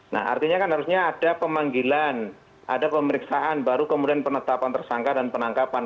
nah artinya kan harusnya ada pemanggilan ada pemeriksaan baru kemudian penetapan tersangka dan penangkapan